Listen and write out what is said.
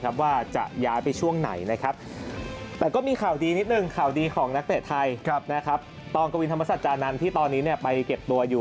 มาชดเชิญในช่วงนี้ด้วย